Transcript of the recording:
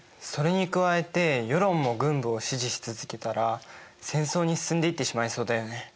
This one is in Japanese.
それに加えて世論も軍部を支持し続けたら戦争に進んでいってしまいそうだよね。